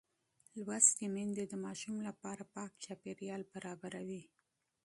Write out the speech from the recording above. لوستې میندې د ماشوم لپاره پاک چاپېریال برابروي.